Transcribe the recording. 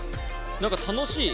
何か楽しい。